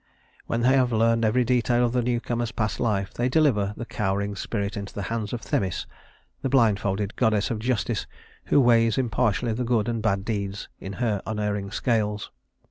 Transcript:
When they have learned every detail of the newcomer's past life, they deliver the cowering spirit into the hands of Themis, the blindfolded goddess of justice, who weighs impartially the good and bad deeds in her unerring scales.